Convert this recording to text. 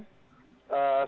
saya tadi tidak sempat lihat